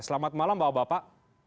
selamat malam bapak bapak